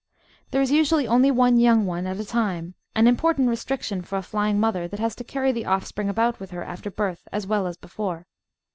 There is, usually, only one young one at a time, an important restriction for a flying mother that has to carry the offspring about with her after birth as well as before.